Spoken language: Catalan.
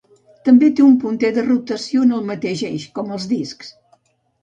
També té un punter de rotació en el mateix eix, com els discs.